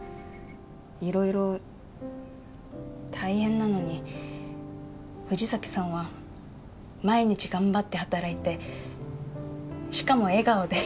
いろいろ大変なのに藤崎さんは毎日頑張って働いてしかも笑顔で。